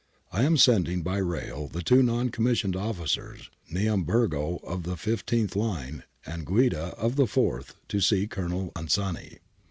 ... I am sending by rail the two non commissioned officers, Neamburgo of the fifteenth line and Guida of the fourth, to see Colonel Anzani.'